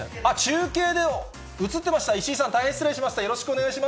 中継で映ってました、石井さん、大変失礼しました。